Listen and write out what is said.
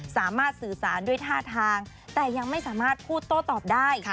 สามารถสื่อสารด้วยท่าทางแต่ยังไม่สามารถพูดโต้ตอบได้